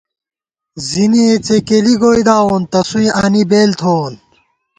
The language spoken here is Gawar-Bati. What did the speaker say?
زِنِئےڅېکېلی گوئیداوون تسوئیں آنی بېل تھووون